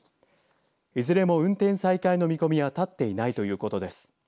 いずれも運転再開の見込みは立っていないということです。